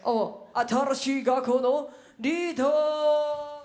新しい学校のリーダーズ！